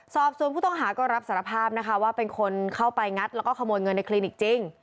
สอบส่วนผู้ต้องหาก็รับสารภาพนะคะว่าเป็นคนเข้าไปงัดแล้วก็ขโมยเงินในคลินิกจริง